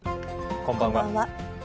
こんばんは。